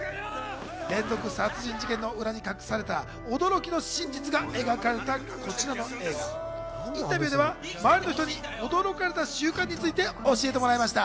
連続殺人事件の裏に隠された驚きの真実が描かれたこちらの映画、インタビューでは周りの人に驚かれた習慣について教えてもらいました。